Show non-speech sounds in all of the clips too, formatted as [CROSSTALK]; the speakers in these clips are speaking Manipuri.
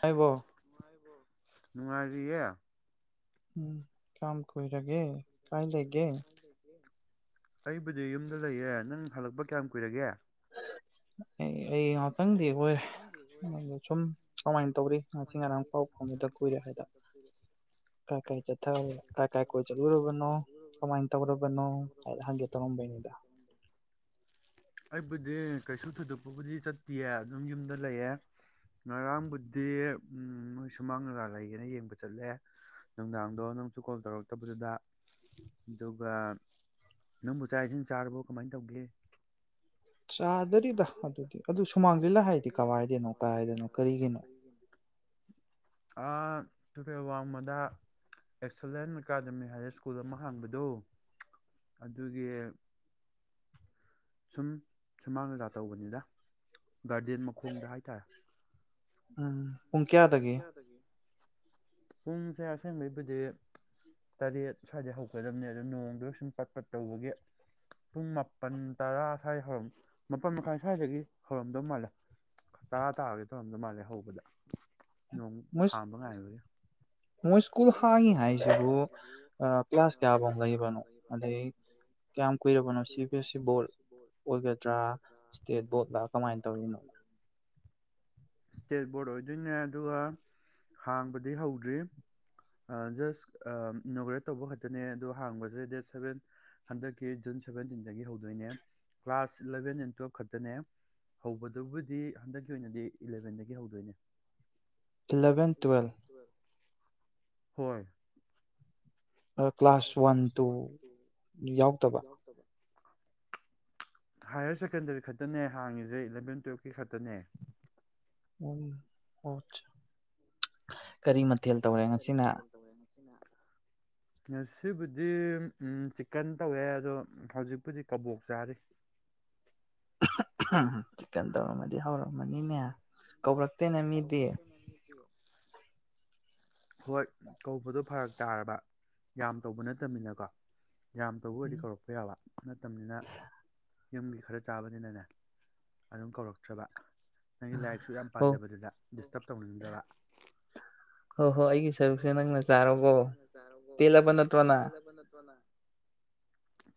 ꯍꯥꯏꯕꯣ ꯅꯨꯡꯉꯥꯏꯔꯤꯌꯦ ꯎꯝ ꯀꯌꯥꯝ ꯀꯨꯏꯔꯒꯦ ꯀꯥꯏ ꯂꯩꯒꯦ ꯑꯩꯕꯨꯗꯤ ꯌꯨꯝꯗ ꯂꯩꯌꯦ ꯅꯪ ꯍꯜꯂꯛꯄ ꯀꯌꯥꯝ ꯀꯨꯏꯔꯒꯦ ꯑꯩ ꯑꯩ ꯉꯥꯎ ꯈꯪꯗꯦ ꯍꯣꯏ ꯁꯨꯝ ꯀꯃꯥꯏꯅ ꯇꯧꯔꯤ ꯉꯁꯤ ꯉꯔꯥꯡ ꯄꯥꯎ ꯐꯥꯎꯅꯗ ꯀꯨꯏꯔꯦ ꯍꯥꯏꯗ ꯀꯥꯏ ꯀꯥꯏ ꯆꯠꯊ ꯀꯥꯏ ꯀꯥꯏ ꯀꯣꯏ ꯆꯠꯂꯨꯔꯕꯅꯣ ꯀꯃꯥꯏꯅ ꯇꯧꯔꯕꯅꯣ ꯍꯥꯏꯅ ꯍꯪꯒꯦ ꯇꯧꯔꯝꯕꯅꯤꯗ ꯑꯩꯕꯨꯗꯤ ꯀꯩꯁꯨ ꯊꯣꯏꯗꯣꯛꯄꯕꯨꯗꯤ ꯆꯠ ꯇꯤꯌꯦ ꯑꯗꯨꯝ ꯌꯨꯝꯗ ꯂꯩꯌꯦꯦ ꯉꯔꯥꯡꯕꯨꯗꯤ ꯎꯝ ꯃꯣꯏ ꯁꯨꯃꯥꯡ ꯂꯤꯂꯥ ꯂꯩꯌꯦꯅ ꯌꯦꯡꯕ ꯆꯠꯂꯦ ꯅꯨꯡꯗꯥꯡꯗꯣ ꯅꯪꯁꯨ ꯀꯣꯜ ꯇꯧꯔꯛꯇꯕꯗꯨꯗ ꯑꯗꯨꯒ ꯅꯪꯕꯨ ꯆꯥꯛ ꯏꯁꯤꯡ ꯆꯥꯔꯕꯣ ꯀꯃꯥꯏ ꯇꯧꯒꯦ ꯆꯥꯗꯔꯤꯗ ꯑꯗꯨ ꯁꯨꯃꯥꯡ ꯂꯤꯂ ꯍꯥꯏꯗꯤ ꯀꯋꯥꯏꯗꯣꯏꯅꯣ ꯀꯥꯏꯗꯣꯏꯅꯣ ꯀꯔꯤꯒꯤꯅꯣ ꯑꯥ ꯇꯨꯔꯦꯜ ꯋꯥꯡꯃꯗ ꯑꯦꯛꯁꯂꯦꯟ ꯑꯦꯀꯥꯗꯃꯤ ꯍꯥꯏꯅ ꯁ꯭ꯀꯨꯜ ꯑꯃ ꯍꯥꯡꯕꯗꯣ ꯑꯗꯨꯒꯤ ꯁꯨꯝ ꯁꯨꯃꯥꯡ ꯂꯤꯂꯥ ꯇꯧꯕꯅꯤꯗ ꯒꯥꯔꯗꯦꯟ ꯃꯈꯣꯡꯗ ꯍꯥꯏꯇꯥꯔꯦ ꯎꯝ ꯄꯨꯡ ꯀꯌꯥꯗꯒꯤ ꯄꯨꯡꯁꯦ ꯑꯁꯦꯡꯕꯩꯕꯨꯗꯤ ꯇꯔꯦꯠ ꯁ꯭ꯋꯥꯏꯗꯩ ꯍꯧꯒꯗꯕꯅꯦ ꯑꯗꯨ ꯅꯣꯡꯗꯨ ꯁꯨꯝ ꯄꯠ ꯄꯠ ꯇꯧꯕꯒꯤ ꯄꯨꯡ ꯃꯥꯄꯜ ꯇꯔꯥ ꯁ꯭ꯋꯥꯏ ꯍꯧ ꯃꯥꯄꯜ ꯃꯈꯥꯏ ꯁ꯭ꯋꯥꯏꯗꯒꯤ ꯍꯧꯔꯝꯗꯧ ꯃꯥꯜꯂꯦ ꯇꯔꯥ ꯇꯥꯔꯒꯦ ꯇꯧꯔꯝꯗꯧ ꯃꯥꯜꯂꯦ ꯍꯧꯕꯗ ꯅꯣꯡꯃꯨꯛ ꯃꯣꯏ ꯍꯥꯡꯕ ꯉꯥꯏꯂꯔꯣꯏꯁꯦ ꯃꯣꯏ ꯁ꯭ꯀꯨꯜ ꯍꯥꯡꯉꯤ ꯍꯥꯏꯁꯤꯕꯨ ꯀ꯭ꯂꯥꯁ ꯀꯌꯥꯐꯧ ꯂꯩꯕꯅꯣ ꯑꯁꯇꯦꯠ ꯑꯗꯩ ꯀꯌꯥꯝ ꯀꯨꯏꯔꯕꯅꯣ ꯁꯤ ꯕꯤ ꯑꯦꯁ ꯁꯤ ꯑꯣꯏꯒꯗ꯭ꯔꯥ ꯕꯣꯔꯗ ꯏꯁꯇꯦꯠ ꯕꯣꯔꯗꯂ ꯀꯃꯥꯏꯅ ꯇꯧꯔꯤꯅꯣ ꯑꯣꯏ ꯑꯗꯨꯏꯅꯦ ꯑꯗꯨꯒ ꯍꯥꯡꯕꯗꯤ ꯍꯧꯗ꯭ꯔꯤ ꯑꯥ ꯖꯁ ꯑꯥ ꯏꯅꯣꯒ꯭ꯔꯦꯠ ꯇꯧꯕ ꯈꯛꯇꯅꯦ ꯑꯗꯣ ꯍꯥꯡꯕꯁꯦ ꯗꯦꯠ ꯁꯕꯦꯟ ꯍꯟꯗꯛꯀꯤ ꯖꯨꯟ ꯁꯕꯦꯟꯇꯤꯟꯗꯒꯤ ꯍꯧꯗꯣꯏꯅꯦ ꯀ꯭ꯂꯥꯁ ꯏꯂꯚꯦꯟ ꯑꯦꯟ ꯇꯨꯋꯦꯜꯐ ꯈꯛꯇꯅꯦ ꯍꯧꯕꯗꯨꯕꯨꯗꯤ ꯍꯟꯗꯛꯀꯤ ꯑꯣꯏꯅꯗꯤ ꯏꯂꯚꯦꯟꯗꯒꯤ ꯍꯧꯗꯣꯏꯅꯦ ꯏꯂꯚꯦꯟ ꯇ꯭ꯨꯋꯦꯜ ꯍꯣꯏ ꯑꯗꯣ ꯀ꯭ꯂꯥꯁ ꯋꯥꯟ ꯇꯨꯗꯤ ꯌꯥꯎꯗꯕ ꯍꯥꯏꯌꯔ ꯁꯦꯀꯦꯟꯗꯔꯤ ꯈꯛꯇꯅꯦ ꯍꯥꯡꯉꯤꯁꯦ ꯏꯂꯚꯦꯟ ꯇꯨ꯭ꯋꯦꯐꯀꯤ ꯈꯛꯇꯅꯦ ꯎꯝ ꯑꯣꯆ ꯀꯔꯤ ꯃꯠ ꯊꯦꯜ ꯇꯧꯔꯦ ꯉꯥꯁꯤꯅ ꯉꯥꯁꯤꯕꯨꯗꯤ ꯎꯝ ꯆꯤꯛꯀꯟ ꯇꯧꯋꯦ ꯑꯗꯣ ꯍꯧꯖꯤꯛꯄꯨꯗꯤ ꯀꯕꯣꯛ ꯆꯥꯔꯤ [INAUDIBLE] ꯆꯤꯛꯀꯟ ꯇꯧꯔꯝꯃꯗꯤ ꯍꯥꯎꯔꯝ ꯃꯅꯤꯅꯦ ꯀꯧꯔꯛ ꯀꯧꯔꯛꯇꯦꯅ ꯃꯤꯗꯤ ꯍꯣꯏ ꯀꯧꯕꯗꯨ ꯐꯔꯛ ꯇꯥꯔꯕ ꯌꯥꯝ ꯇꯧꯕ ꯅꯠꯇꯕꯅꯤꯅꯀꯣ ꯌꯥꯝ ꯇꯧꯕ ꯑꯣꯏꯔꯗꯤ ꯁꯣꯔꯛꯄ ꯌꯥꯕ ꯅꯠꯇꯝꯅꯤꯅ ꯌꯨꯝꯒꯤ ꯈꯔ ꯆꯥꯕꯅꯤꯅꯅꯦ ꯑꯗꯨꯝ ꯀꯧꯔꯛꯇ꯭ꯔꯥꯕ ꯅꯪꯗꯤ ꯂꯥꯏꯔꯤꯛꯁꯨ ꯌꯥꯝ ꯍꯣ ꯄꯥꯖꯕꯗꯨꯗ ꯗꯤꯁꯇꯕ ꯇꯧꯅꯤꯡꯗ꯭ꯔꯕ ꯑꯣ ꯑꯩꯒꯤ ꯁꯔꯨꯛꯁꯦ ꯅꯪꯅ ꯆꯥꯔꯣꯀꯣ ꯄꯦꯜꯂꯕ ꯅꯠꯇ꯭ꯔꯣ ꯅ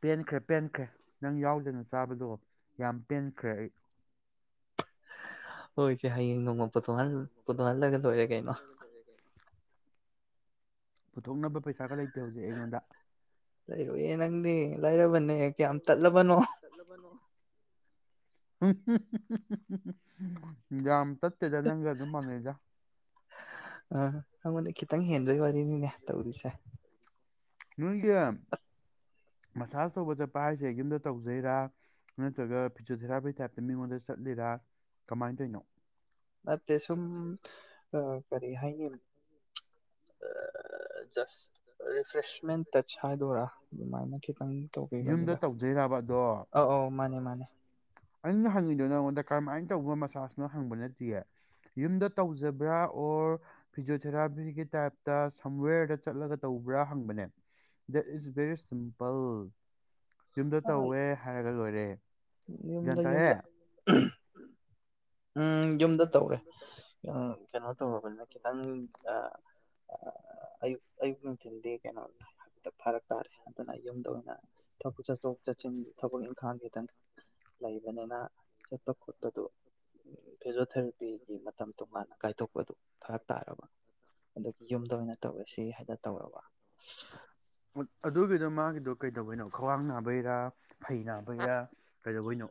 ꯄꯦꯟꯈ꯭ꯔꯦ ꯄꯦꯟꯈ꯭ꯔꯦ ꯅꯪ ꯌꯥꯎꯗꯅ ꯆꯥꯕꯗꯣ ꯌꯥꯝ ꯄꯦꯟꯈ꯭ꯔꯦ ꯑꯩ ꯍꯣꯏ ꯁꯦ ꯍꯌꯦꯡ ꯅꯣꯡꯃ ꯄꯨꯊꯣꯛꯍꯜ ꯄꯊꯣꯛꯍꯜꯂꯒ ꯂꯣꯏꯔꯦ ꯀꯩꯅꯣ ꯄꯨꯊꯣꯛꯅꯕ ꯄꯩꯁꯥꯒ ꯂꯩ ꯇꯦ ꯍꯧꯖꯤꯛ ꯑꯩꯉꯣꯟꯗ ꯄꯦ ꯂꯥꯢꯔꯕꯅꯦ ꯀꯌꯥꯝ ꯇꯠꯂꯕꯅꯣ [INAUDIBLE] [INAUDIBLE] ꯇꯠꯇꯦꯗ ꯅꯪꯒ ꯑꯗꯨꯝ ꯃꯥꯟꯅꯩꯗ ꯑꯥ ꯑꯩꯉꯣꯡꯗꯩ ꯈꯤꯇꯪ ꯍꯦꯟꯗꯣꯏꯕ ꯌꯦꯅꯤꯅꯦ ꯇꯧꯔꯤꯁꯦ ꯅꯣꯏꯒꯤ ꯃꯁꯥꯁ ꯇꯧꯕ ꯆꯠꯄ ꯍꯥꯏꯁꯦ ꯌꯨꯝꯗ ꯇꯧꯖꯩꯔꯥ ꯅꯠꯇ꯭ꯔꯒ ꯐꯤꯖꯣꯊꯦꯔꯥꯄꯤ ꯇꯥꯏꯞꯇ ꯃꯤꯉꯣꯟꯗ ꯆꯠꯂꯤꯔꯥ ꯀꯃꯥꯏꯅ ꯇꯩꯅꯣ ꯅꯠꯇꯦ ꯁꯨꯝ ꯑꯥ ꯀꯔꯤ ꯍꯥꯏꯅꯤ ꯑꯥ ꯖꯁ ꯔꯤꯐ꯭ꯔꯦꯁ [UNINTELLIGIBLE] ꯍꯥꯢꯗꯣꯢꯔ ꯌꯨꯝꯗ ꯇꯧꯕꯤꯕꯅꯤꯗ ꯇꯧꯖꯩꯔꯕ ꯑꯗꯣ ꯑ ꯑꯧ ꯃꯥꯅꯦ ꯃꯥꯅꯦ ꯑꯩꯅ ꯍꯪꯉꯤꯗꯣ ꯅꯪꯉꯣꯟꯗ ꯀꯔꯝꯃꯏ ꯇꯧꯕ ꯃꯁꯥꯖꯅꯣ ꯍꯪꯕ ꯅꯠꯇꯤꯌꯦ ꯌꯨꯝꯗ ꯇꯧꯖꯕ꯭ꯔ ꯑꯣꯔ ꯐꯤꯖꯣꯊꯦꯔꯥꯄꯤꯒꯤ ꯇꯥꯏꯞꯇ ꯁꯝꯋꯤꯌꯔꯗ ꯆꯠꯂꯒ ꯇꯧꯕ꯭ꯔ ꯍꯪꯕꯅꯦ ꯗꯦꯠ ꯏꯁ ꯕꯦꯔꯤ ꯁꯤꯝꯄꯜ ꯌꯨꯝꯗ ꯑ, ꯑꯩ ꯇꯧꯋꯦ ꯍꯥꯏꯔꯒ ꯂꯣꯏꯔꯦ ꯔꯦ ꯌꯨꯝꯗ ꯌꯨꯝꯗ ꯎꯝ ꯌꯨꯝꯗ ꯇꯧꯔꯦ ꯑ ꯀꯩꯅꯣ ꯇꯧꯔꯕꯅꯤꯅ ꯈꯤꯇꯪ ꯑꯌꯨ ꯑꯌꯨꯛ ꯅꯨꯡꯊꯤꯜꯗꯤ ꯀꯩꯅꯣ ꯐꯥꯔꯛ ꯇꯥꯔꯦ ꯑꯗꯨꯅ ꯌꯨꯝꯗ ꯑꯣꯏꯅ ꯊꯕꯛ ꯆꯠꯊꯣꯛ ꯆꯠꯁꯤꯟ ꯊꯕꯛ ꯏꯟꯈꯥꯡ ꯈꯤꯇꯪ ꯂꯩꯕꯅꯤꯅ ꯆꯠꯄ ꯈꯣꯠꯄꯗꯨ [INAUDIBLE] ꯃꯇꯝ ꯇꯣꯉꯥꯟꯅ ꯀꯥꯏꯊꯣꯛꯄꯗꯨ ꯐꯔꯛ ꯇꯥꯔꯕ ꯑꯗꯨꯒꯤ ꯌꯨꯝꯗ ꯑꯣꯏꯅ ꯇꯧꯔꯁꯤ ꯍꯥꯏꯅ ꯇꯧꯔꯕ ꯑꯗꯨꯒꯤꯗꯨ ꯃꯥꯒꯤꯗꯨ ꯀꯩꯗꯧꯕꯩꯅꯣ ꯈ꯭ꯋꯥꯡ ꯅꯥꯕꯩꯔꯥ ꯐꯩ ꯅꯥꯕꯩꯔꯥ ꯀꯩꯗꯧꯕꯩꯅꯦ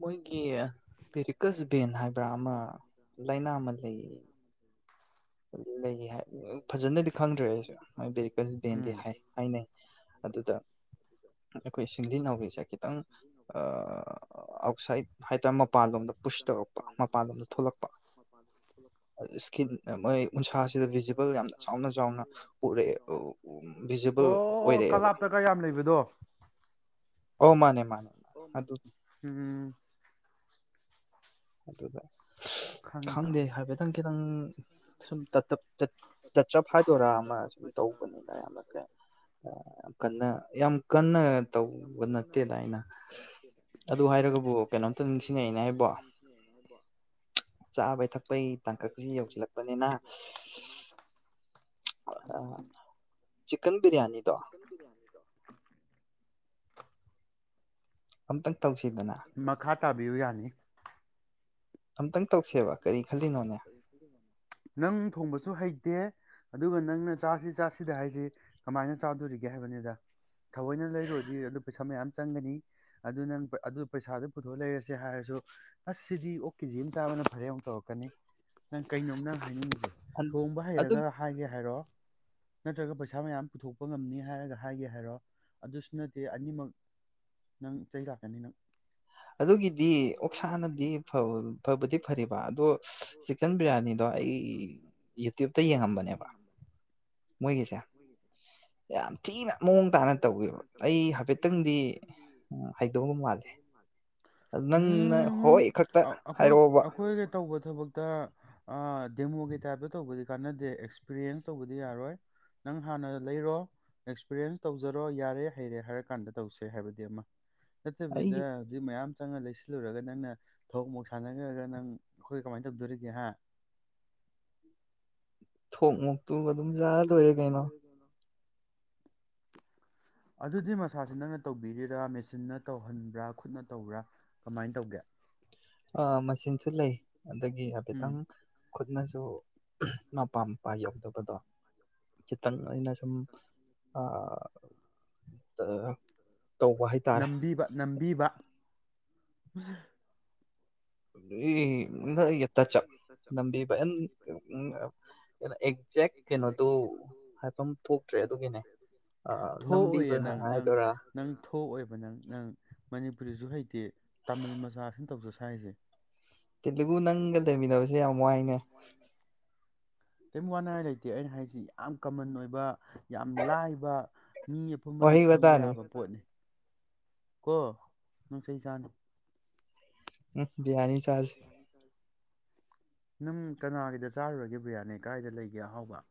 ꯃꯣꯏꯒꯤ ꯄꯦꯔꯤꯀꯁ ꯕꯦꯟ ꯍꯥꯏꯕ꯭ꯔ ꯑꯃ ꯂꯥꯏꯅꯥ ꯑꯃ ꯂꯩ ꯂꯩꯌꯦ ꯂꯩꯌꯦ ꯍꯥꯏꯕꯅꯦ ꯐꯖꯅꯗꯤ ꯈꯪꯗ꯭ꯔꯦ ꯑꯩꯁꯨꯦ ꯃꯣꯏ ꯕꯦꯔꯤꯀꯁ ꯕꯦꯟꯗꯤ ꯎꯝ ꯍꯥꯏ ꯍꯥꯏꯅꯩ ꯑꯗꯨꯗ ꯑꯩꯈꯣꯏ ꯁꯤꯡꯂꯤ ꯅꯥꯎꯔꯤꯁꯦ ꯈꯤꯇꯪ ꯑꯥꯎꯠꯁꯥꯏꯠ ꯍꯥꯏꯇ ꯃꯄꯥꯟꯂꯣꯝꯗ ꯄꯨꯁ ꯇꯧꯔꯛꯄ ꯃꯄꯥꯟꯂꯣꯝꯗ ꯊꯣꯛꯂꯛꯄ ꯏꯁꯀꯤꯟ ꯃꯣꯏ ꯎꯟꯁꯥꯁꯤꯗ ꯚꯤꯖꯤꯕꯜ ꯌꯥꯝꯅ ꯆꯥꯎꯅ ꯆꯥꯎꯅ ꯎꯔꯛꯑꯦ ꯚꯤꯖꯤꯕꯜ ꯑꯣ ꯑꯣꯏꯔꯛꯑꯦꯕ ꯀꯂꯥꯞꯇꯒ ꯌꯥꯝ ꯂꯩꯕꯗꯣ ꯑꯣ ꯃꯥꯅꯦ ꯃꯥꯅꯦ ꯃꯥꯅꯦ ꯑꯗꯨ ꯎꯝ ꯑꯗꯨꯗ ꯈꯪꯉꯦ ꯈꯪꯗꯦ ꯈꯪꯉꯦ ꯍꯥꯏꯐꯦꯠꯇꯪ ꯈꯤꯇꯪ ꯁꯨꯝ ꯇꯥꯇꯞ ꯇꯥꯆꯞ ꯍꯥꯏꯗꯣꯏꯔꯥ ꯑꯃ ꯁꯨꯝ ꯇꯧꯕꯅꯤꯅ ꯌꯥꯝꯅ ꯌꯥꯝ ꯀꯟꯅ ꯌꯥꯝ ꯀꯟꯅ ꯇꯧꯕ ꯅꯠꯇꯦꯗ ꯑꯩꯅ ꯑꯗꯨ ꯍꯥꯏꯔꯒꯕꯨ ꯀꯩꯅꯣꯝꯇ ꯅꯤꯡꯁꯤꯡꯉꯛꯏꯅꯦ ꯑꯩꯕꯣ [INAUDIBLE] ꯆꯥꯕꯩ ꯊꯛꯄꯩ ꯇꯥꯡꯀꯛꯁꯤ ꯌꯧꯁꯤꯜꯂꯛꯄꯅꯤꯅ ꯆꯤꯛꯀꯟ ꯕꯤꯔꯌꯥꯅꯤꯗꯣ ꯑꯝꯇꯪ ꯇꯧꯁꯤꯗꯅ ꯃꯈꯥ ꯇꯥꯕꯤꯌꯨ ꯌꯥꯅꯤ ꯑꯝꯇꯪ ꯇꯧꯁꯦꯕ ꯀꯔꯤ ꯈꯜꯂꯤꯅꯣꯅꯦ ꯅꯪ ꯊꯣꯡꯕꯁꯨ ꯍꯩ ꯇꯦ ꯑꯗꯨꯒ ꯅꯪꯅ ꯆꯥꯁꯤ ꯆꯥꯁꯤꯗ ꯍꯥꯏꯁꯤ ꯀꯃꯥꯏꯅ ꯆꯥꯗꯣꯔꯤꯒꯦ ꯍꯥꯏꯕꯅꯤꯗ ꯊꯑꯣꯏꯅ ꯂꯩꯔꯨꯔꯗꯤ ꯑꯗꯨ ꯄꯩꯁꯥ ꯃꯌꯥꯝ ꯆꯪꯒꯅꯤ ꯑꯗꯨ ꯅꯪ ꯑꯗꯨ ꯄꯩꯁꯥꯗꯨ ꯄꯨꯊꯣꯛ ꯂꯩꯔꯁꯦ ꯍꯥꯏꯔꯁꯨ ꯑꯁ ꯁꯤꯗꯤ ꯑꯣꯛ ꯀꯦꯖꯤ ꯑꯃ ꯆꯥꯕꯅ ꯐꯔꯦ ꯑꯃꯨꯛ ꯇꯧꯔꯀꯅꯤ ꯅꯪ ꯀꯩꯅꯣꯝ ꯅꯪ ꯍꯥꯏꯅꯤꯡꯉꯤꯁꯦ ꯑꯟ- ꯊꯣꯡꯕ ꯑꯗꯨ ꯍꯩꯔꯒ ꯍꯥꯏꯒꯦ ꯍꯥꯏꯔꯣ ꯅꯠꯇ꯭ꯔꯒ ꯄꯩꯁꯥ ꯃꯌꯥꯝ ꯄꯨꯊꯣꯛꯄ ꯉꯝꯅꯤ ꯍꯥꯏꯔꯒ ꯍꯥꯏꯒꯦ ꯍꯥꯏꯔꯣ ꯑꯗꯨꯁꯨ ꯅꯠꯇꯦ ꯑꯅꯤꯃꯛ ꯅꯪ ꯆꯩ ꯂꯥꯛꯀꯅꯤ ꯅꯪ ꯑꯗꯨꯒꯤꯗꯤ ꯑꯣꯛꯁꯥꯅꯗꯤ ꯐꯕ ꯐꯕꯗꯤ ꯐꯔꯦꯕ ꯑꯗꯣ ꯆꯤꯛꯀꯟ ꯕꯤꯔꯌꯥꯅꯤꯗꯣ ꯑꯩ ꯌꯨꯇ꯭ꯌꯨꯕꯇ ꯌꯦꯡꯉꯝꯕꯅꯦꯕ ꯃꯣꯏꯒꯤꯁꯦ ꯌꯥꯝ ꯊꯤꯅ ꯃꯑꯣꯡ ꯇꯥꯅ ꯇꯧꯋꯦꯕ ꯑꯩ ꯍꯥꯏꯐꯦꯠꯇꯪꯗꯤ ꯍꯩꯗꯧꯕ ꯃꯥꯜꯂꯦ ꯅꯪꯅ ꯍꯣꯏ ꯎꯝ ꯈꯛꯇ ꯑ- ꯑꯩꯈꯣꯏ ꯍꯥꯏꯔꯛꯑꯣꯕ ꯑꯩꯈꯣꯏꯒ ꯇꯧꯕ ꯊꯕꯛꯇ ꯗꯦꯃꯣꯒꯤ ꯇꯥꯏꯞꯇ ꯇꯧꯕꯗꯤ ꯀꯥꯟꯅꯗꯦ ꯑꯦꯛꯁꯄꯤꯔꯤꯌꯦꯟꯁ ꯇꯧꯕꯗꯤ ꯌꯥꯔꯣꯏ ꯅꯪ ꯍꯥꯟꯅ ꯂꯩꯔꯣ ꯑꯦꯛꯁꯄꯤꯔꯤꯌꯦꯟꯁ ꯇꯧꯖꯔꯣ ꯌꯥꯔꯦ ꯍꯩꯔꯦ ꯍꯥꯏꯔꯀꯥꯟꯗ ꯇꯧꯁꯦ ꯍꯥꯏꯕꯗꯤ ꯑꯃ ꯅꯠꯇꯕꯤꯗ ꯑꯩꯒꯤ ꯍꯧꯖꯤꯛ ꯃꯌꯥꯝ ꯆꯪꯉ ꯂꯩꯁꯤꯜꯂꯨꯔꯒ ꯅꯪꯅ ꯊꯣꯛ ꯃꯣꯛ ꯁꯥꯟꯅꯈ꯭ꯔꯒ ꯅꯪ ꯑꯩꯈꯣꯏ ꯀꯃꯥꯏꯅ ꯇꯧꯗꯣꯔꯤꯒꯦ ꯍꯥ ꯊꯣꯛ ꯃꯣꯛꯇꯨ ꯑꯗꯨꯝ ꯌꯥꯎꯔꯂꯣꯏꯔꯦ ꯀꯩꯅꯣ ꯑꯗꯨꯗꯤ ꯃꯁꯥꯁꯦ ꯅꯪꯅ ꯇꯧꯕꯤꯔꯤꯔꯥ ꯃꯦꯆꯤꯟꯅ ꯇꯧꯍꯟꯕ꯭ꯔꯥ ꯈꯨꯠꯅ ꯇꯧꯕ꯭ꯔꯥ ꯀꯃꯥꯏꯅ ꯇꯧꯒꯦ ꯑ ꯃꯁꯤꯟꯁꯨ ꯂꯩ ꯑꯗꯒꯤ ꯎꯝ ꯍꯥꯏꯐꯦꯠꯇꯪ ꯈꯨꯠꯅꯁꯨ ꯑꯗꯨ ꯃꯄꯥ ꯃꯄꯥ ꯌꯧꯗꯕꯗꯣ ꯈꯤꯇꯪ ꯑꯩꯅ ꯁꯨꯝ ꯑꯥ ꯅꯝꯕꯤꯕ ꯅꯝꯕꯤꯕ [UNINTELLIGIBLE] ꯇꯁꯆꯞ ꯅꯝꯕꯤꯕ ꯑꯦꯟ ꯎ ꯀꯩꯅꯣ ꯑꯦꯛꯖꯦꯛ ꯀꯩꯅꯣꯗꯨ ꯍꯥꯏꯐꯝ ꯊꯣꯛꯇ꯭ꯔꯦ ꯑꯗꯨꯒꯤꯅꯦ ꯑꯥ ꯅꯝꯕꯤꯕ ꯊꯣꯛꯑꯣꯏꯌꯦ ꯅꯪ ꯅꯪ ꯍꯥꯏꯗꯣꯏꯔꯥ ꯅꯪ ꯇꯦ ꯇꯥꯃꯤꯜ ꯃꯆꯥꯁꯤꯅ ꯇꯧꯖ ꯁꯥꯔꯤꯁꯦ ꯀꯦꯗꯤꯕꯨ ꯅꯪ ꯂꯩꯃꯤꯟꯅꯕꯁꯦ ꯌꯥꯝ ꯋꯥꯏꯅꯦ ꯀꯦꯝ ꯋꯥꯅꯤꯡꯉꯥꯏ ꯂꯩꯇꯦ ꯑꯩꯅ ꯍꯥꯏꯁꯤ ꯌꯥꯝ ꯀꯃꯟ ꯑꯣꯏꯕ ꯌꯥꯝ ꯂꯥꯏꯕ ꯃꯤ ꯑꯄꯨꯝꯕꯅ ꯋꯥꯍꯩ ꯈꯪꯕ ꯋꯥꯇꯥꯅꯤ ꯌꯥꯕ ꯄꯣꯠꯅꯤ ꯀꯣ ꯅꯪ ꯆꯩ ꯆꯥꯅꯤ ꯑꯝ ꯕꯔꯤꯌꯥꯅꯤ ꯌꯥꯅꯤ ꯆꯠꯁꯤ ꯅꯪ ꯀꯅꯥꯒꯤꯗ ꯆꯥꯔꯨꯔꯒꯦ ꯕꯤ꯭ꯔꯌꯥꯅꯤ ꯀꯥꯏꯗ ꯂꯩꯒꯦ ꯑꯍꯥꯎꯕ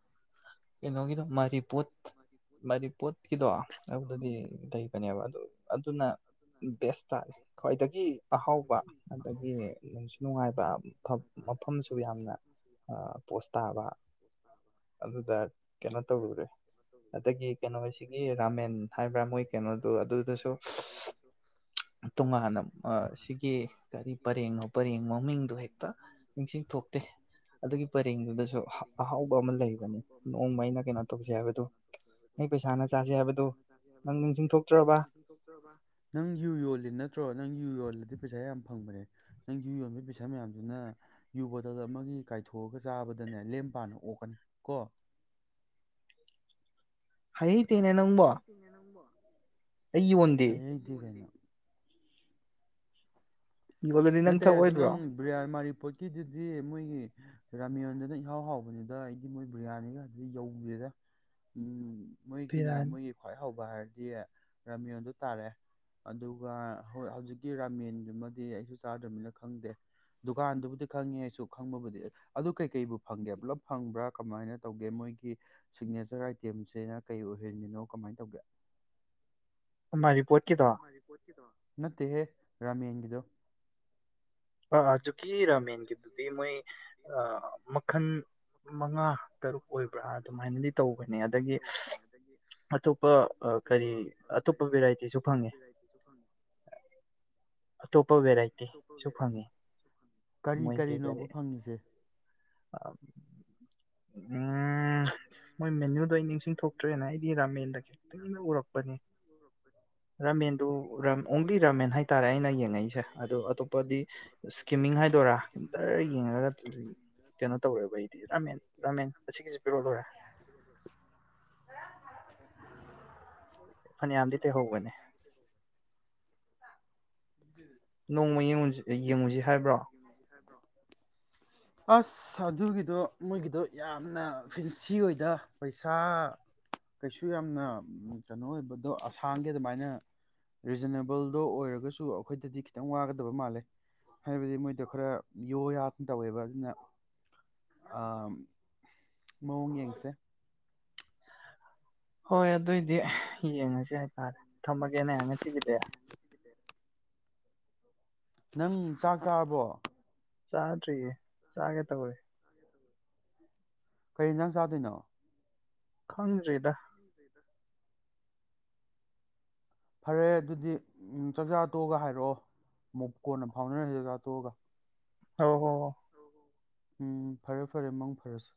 ꯀꯩꯅꯣꯒꯤꯗꯣ ꯃꯥꯏ ꯔꯤꯄꯣꯠ ꯃꯥꯗꯤ ꯄꯣꯠꯀꯤꯗꯣ ꯑꯗꯨꯗꯗꯤ ꯂꯩꯕꯅꯦꯕ ꯑꯗꯨ ꯑꯗꯨꯅ ꯕꯦꯁ ꯈ꯭ꯋꯥꯏꯗꯒꯤ ꯑꯍꯥꯎꯕ ꯑꯗꯒꯤ ꯅꯨꯡꯁꯨ ꯅꯨꯡꯉꯥꯏꯕ ꯃꯐꯝꯁꯨ ꯌꯥꯝꯅ ꯑꯥ ꯄꯣꯁ ꯇꯥꯕ ꯑꯗꯨꯗ ꯀꯩꯅꯣ ꯇꯧꯔꯨꯔꯦ ꯑꯗꯒꯤ ꯀꯩꯅꯣꯁꯤꯒꯤ ꯔꯥꯃꯦꯟ ꯍꯥꯏꯕ꯭ꯔꯥ ꯃꯣꯏ ꯀꯩꯅꯣꯗꯣ ꯑꯗꯨꯗꯁꯨ ꯇꯣꯉꯥꯟꯅ ꯑꯥ ꯁꯤꯒꯤ ꯀꯔꯤ ꯄꯔꯦꯡꯅꯣ ꯄꯔꯦꯡ ꯃꯃꯤꯡꯗꯣ ꯍꯦꯛꯇ ꯅꯤꯡꯁꯤꯡ ꯊꯣꯛꯇꯦ ꯑꯗꯨꯒꯤ ꯄꯔꯦꯡꯗꯨꯗꯁꯨ ꯑ- ꯑꯍꯥꯎꯕ ꯑꯃ ꯂꯩꯕꯅꯤ ꯑꯃ ꯅꯣꯡꯃ ꯂꯩꯕꯅꯤ ꯑꯩꯅ ꯀꯩꯅꯣ ꯇꯧꯁꯦ ꯅꯣꯡꯃ ꯑꯩꯅ ꯍꯥꯏꯕꯗꯨ ꯀꯩꯅꯣ ꯇꯧꯁꯦ ꯍꯥꯏꯕꯗꯨ ꯑꯩ ꯄꯩꯁꯥꯅ ꯆꯥꯁꯦ ꯅꯪ ꯍꯥꯏꯕꯗꯨ ꯄꯩꯁꯥꯅ ꯆꯥꯁꯦ ꯅꯪ ꯍꯥꯏꯕꯗꯨ ꯅꯪ ꯅꯤꯡꯁꯤꯡꯊꯣꯛꯇ꯭ꯔꯕ ꯅꯤꯡꯁꯤꯡ ꯊꯣꯛꯇ꯭ꯔꯕ ꯅꯪ ꯌꯨ ꯌꯣꯜ ꯅꯠꯇ꯭ꯔꯣ ꯅꯪ ꯌꯨ ꯌꯣꯜꯂꯗꯤ ꯄꯩꯁꯥ ꯌꯥꯝ ꯐꯪꯕꯅꯦ ꯅꯪ ꯌꯨ ꯌꯣꯟꯕꯒꯤ ꯄꯩꯁꯥ ꯃꯌꯥꯝꯗꯨꯅ ꯌꯨ ꯕꯣꯇꯜ ꯑꯃꯅꯤ ꯀꯥꯏꯊꯣꯛꯑꯒ ꯆꯥꯕꯗꯅꯦ ꯂꯦꯝ ꯄꯥꯅ ꯑꯣꯛꯀꯅꯤ ꯀꯣ ꯍꯥꯏꯍꯩ ꯍꯥꯏꯍꯩꯗꯦꯅꯦ ꯅꯪꯕꯣ ꯑꯩ ꯌꯣꯟꯗꯦ ꯍꯥꯏꯍꯩꯗꯦ ꯀꯩꯅꯣ ꯌꯣꯜꯂꯗꯤ ꯅꯪ ꯅꯠꯇꯦ ꯑꯗꯨ ꯊꯛꯑꯣꯏꯗ꯭ꯔꯣ ꯅꯪ ꯕꯤꯔꯌꯥ ꯃꯥꯥꯔꯤ ꯄꯣꯠꯀꯤꯗꯨꯗꯤ ꯃꯣꯏꯒꯤ ꯔꯥꯃꯌꯣꯟꯗꯨꯅ ꯏꯍꯥꯎ ꯍꯥꯎꯕꯅꯤꯗ ꯑꯩꯗꯤ ꯃꯣꯏ ꯕꯤ꯭ꯔꯌꯥꯅꯤꯒꯗꯨꯗꯤ ꯌꯧꯗꯦꯗ ꯎꯝ ꯃꯣꯏꯒꯤꯅ ꯕꯤꯔꯥꯅꯤ ꯃꯣꯏꯒꯤ ꯈ꯭ꯋꯥꯏ ꯍꯥꯎꯕ ꯍꯥꯏꯔꯗꯤ ꯗꯤ ꯔꯥꯃꯤꯌꯣꯟ ꯑꯗꯨ ꯇꯥꯔꯦ ꯑꯗꯨꯒ ꯍꯧꯖꯤꯛꯀꯤ ꯔꯥꯃꯦꯟꯗꯨꯃꯗꯤ ꯑꯩꯁꯨ ꯆꯥꯗ꯭ꯔꯕꯅꯤꯅ ꯈꯪꯗꯦ ꯗꯨꯀꯥꯟꯗꯨꯕꯨꯗꯤ ꯈꯪꯉꯤ ꯑꯩꯁꯨ ꯈꯪꯕꯕꯨꯗꯤ ꯑꯗꯨ ꯀꯩꯀꯩꯕꯨ ꯐꯪꯒꯦ ꯄꯨꯂꯞ ꯐꯪꯕ꯭ꯔꯥ ꯀꯃꯥꯏꯅ ꯇꯧꯒꯦ ꯃꯣꯏꯒꯤ ꯁꯤꯒꯅꯦꯆꯔ ꯑꯥꯏꯇꯦꯝꯁꯦ ꯀꯩ ꯑꯣꯏꯍꯜꯂꯤꯅꯣ ꯀꯃꯥꯏꯅ ꯇꯧꯒꯦ [UNINTELLIGIBLE] ꯃꯔꯤ ꯄꯣꯠ ꯀꯤꯗꯣ ꯅꯠꯇꯦꯍꯦ ꯔ꯭ꯃꯦꯟ ꯒꯤꯗꯣ ꯑꯥ ꯑꯥ ꯀꯤ ꯔꯥꯃꯦꯟꯒꯤꯗꯨꯗꯤ ꯃꯣꯏ ꯑꯥ ꯃꯈꯜ ꯃꯉꯥ ꯇꯔꯨꯛ ꯑꯣꯏꯕ꯭ꯔꯥ ꯑꯗꯨꯃꯥꯏꯅꯗꯤ ꯇꯧꯕꯅꯦ ꯑꯗꯒꯤ ꯑꯇꯣꯞꯄ ꯀꯔꯤ ꯑꯇꯣꯞꯄ ꯕꯦꯔꯥꯏꯇꯤꯁꯨ ꯐꯪꯉꯦ ꯑꯇꯣꯞꯄ ꯕꯦꯔꯥꯏꯇꯤ ꯁꯨ ꯐꯪꯉꯤ ꯀꯔꯤ ꯀꯔꯤ ꯀꯔꯤꯅꯣꯕ ꯐꯪꯉꯤꯁꯦ ꯎꯝ ꯃꯣꯏ ꯃꯦꯅꯨꯗꯣ ꯑꯩ ꯅꯤꯡꯁꯤꯡ ꯊꯣꯛꯇ꯭ꯔꯦꯅ ꯑꯩꯗꯤ ꯔꯥꯃꯦꯟꯗ ꯈꯤꯇꯪꯅ ꯎꯔꯛꯄꯅꯦ ꯔꯥꯃꯦꯟꯗꯨ ꯑꯣꯡꯂꯤ ꯔꯥꯃꯦꯟ ꯍꯥꯏꯇꯥꯔꯦ ꯑꯩꯅ ꯌꯦꯡꯉꯛꯏꯁꯦ ꯑꯗꯨ ꯑꯇꯣꯞꯄꯗꯤ ꯏꯁꯀꯤꯝꯃꯤꯡ ꯍꯥꯏꯗꯣꯏꯔꯥ ꯗꯔꯔ ꯌꯦꯡꯉꯒ ꯀꯩꯅꯣ ꯇꯧꯔꯦ ꯑꯈꯣꯏꯒꯤꯗꯤ ꯔꯥꯃꯦꯟ ꯔꯥꯃꯦꯟ ꯑꯁꯤꯒꯤꯁꯤ ꯄꯤꯔꯛ ꯑꯣ ꯂꯣꯏꯔꯦ ꯐꯅꯌꯥꯝꯗꯤ ꯇꯩꯍꯧꯕꯅꯦ ꯅꯣꯡꯃ ꯌꯦꯡꯨꯁꯤ ꯌꯦꯡꯉꯨꯁꯤ ꯍꯥꯏꯕ꯭ꯔꯣ ꯑꯁ ꯑꯗꯨꯒꯤꯗꯣ ꯃꯣꯏꯒꯤꯗꯣ ꯌꯥꯝꯅ ꯐꯤꯟꯁꯤ ꯑꯣꯏꯗ ꯄꯩꯁꯥ ꯀꯩꯁꯨ ꯌꯥꯝꯅ ꯀꯩꯅꯣ ꯑꯣꯏꯕꯗꯣ ꯑꯁꯥꯡꯒꯤ ꯑꯗꯨꯃꯥꯏꯅ ꯔꯤꯖꯅꯦꯕꯜꯗꯣ ꯑꯣꯏꯔꯒꯁꯨ ꯑꯈꯣꯏꯗꯗꯤ ꯈꯤꯇꯪ ꯋꯥꯒꯗꯕ ꯃꯥꯜꯂꯦ ꯍꯥꯏꯕꯗꯤ ꯃꯣꯏꯗꯣ ꯈꯔ ꯌꯣ ꯌꯥꯝꯅ ꯇꯧꯋꯦꯕ ꯑꯗꯨꯅ ꯑꯥ ꯃꯑꯣꯡ ꯌꯦꯡꯁꯦ ꯍꯣꯏ ꯑꯗꯨꯏꯗꯤ ꯌꯦꯡꯉꯁꯤ ꯍꯥꯏꯇꯥꯔꯦ ꯊꯝꯃꯒꯦꯅꯦ ꯉꯁꯤꯒꯤꯗꯤ ꯅꯪ ꯆꯥꯛ ꯆꯥꯕꯣ ꯆꯥꯗ꯭ꯔꯤꯌꯦ ꯆꯥꯒꯦ ꯇꯧꯔꯦ ꯀꯩ ꯍꯤꯅꯖꯥꯡ ꯆꯥꯗꯣꯏꯅꯣ ꯈꯪꯗ꯭ꯔꯤꯗ ꯐꯔꯦ ꯑꯗꯨꯗꯤ ꯎꯝ ꯆꯥꯛꯆꯥꯥ ꯇꯣꯛꯑꯒ ꯍꯥꯏꯔꯛꯑꯣ ꯑꯃꯨꯛ ꯀꯣꯟꯅ ꯐꯥꯎꯅꯔꯁꯤ ꯆꯥꯛꯆꯥ ꯇꯣꯛꯑꯒ ꯍ ꯍꯣ ꯍꯣ ꯎꯝ ꯐꯔꯦ ꯐꯔꯦ ꯃꯪ ꯐꯔꯁꯤ